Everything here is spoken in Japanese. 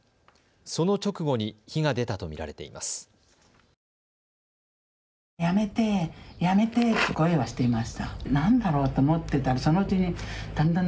その直後に火が出たと見られています。